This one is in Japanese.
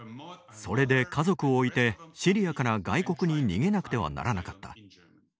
それで家族を置いてシリアから外国に逃げなくてはならなかった。